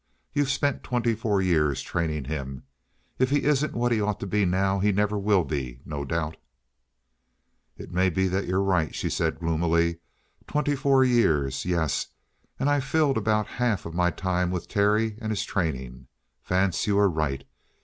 You've spent twenty four years training him. If he isn't what he ought to be now, he never will be, no doubt." "It may be that you're right," she said gloomily. "Twenty four years! Yes, and I've filled about half of my time with Terry and his training. Vance, you are right.